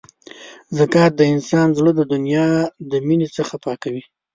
زکات د انسان زړه د دنیا د مینې څخه پاکوي.